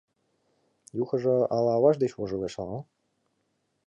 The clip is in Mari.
Юхожо ала аваж деч вожылеш, ала-мо.